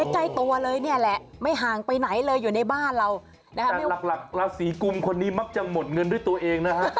ใกล้ตัวเลยเนี่ยแหละไม่ห่างไปไหนเลยอยู่ในบ้านเราแต่หลักราศีกุมคนนี้มักจะหมดเงินด้วยตัวเองนะฮะ